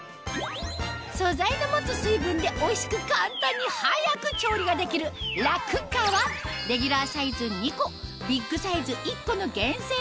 素材の持つ水分でおいしく簡単に早く調理ができるラ・クッカーはレギュラーサイズ２個ビッグサイズ１個の安い。